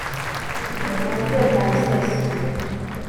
umutekano usesuye